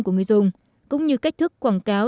của người dùng cũng như cách thức quảng cáo